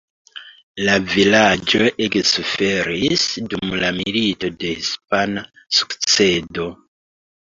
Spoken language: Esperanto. La vilaĝo ege suferis dum la Milito de hispana sukcedo.